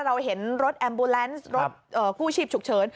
เราเห็นรถแอมบูแลนซ์รถกู้ชีพฉุกเฉิน